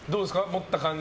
持った感じ。